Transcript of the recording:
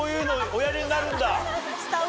おやりになるんだ。